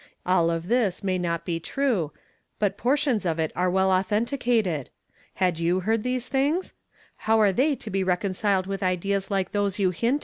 All of this may not l>e true, but portions of it are well authenticated. Had vou heard these things? How are they u^ l=o recon ciled with ideas like those you hint at